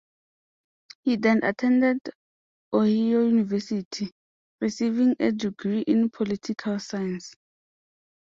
He then attended Ohio University, receiving a degree in political science.